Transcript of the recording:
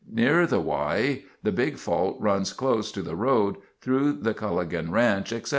Near the Y, the big fault runs close to the road, through the Culligan ranch, etc.